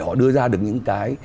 để họ đưa ra được những cái